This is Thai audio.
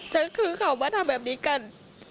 ฉันคือเขามาทำแบบนี้กัน